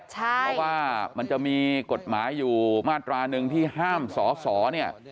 เพราะว่ามันจะมีกฎหมายอยู่มาตราหนึ่งที่ห้ามสอสอเนี่ย